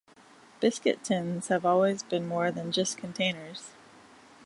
Biscuit tins have always been more than just containers.